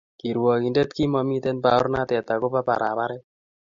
kirwakindet kimamiten baornatet ako ba baret